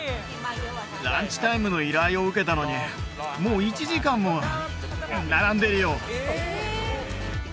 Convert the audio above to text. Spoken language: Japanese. ランチタイムの依頼を受けたのにもう１時間も並んでるよ